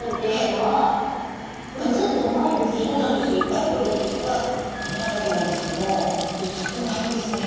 ある部分としてはこの辺りなんですけど写ってないんですね。